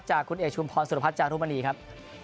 จากคุณเอกชุมพรสุรพัฒนจารุมณีครับ